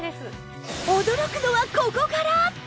驚くのはここから！